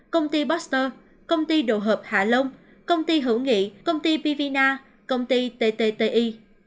công ty bác sơ công ty đồ hợp hạ long công ty hữu nghị công ty bivina công ty ttti